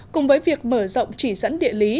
cùng với việc mở rộng chỉ dẫn địa lý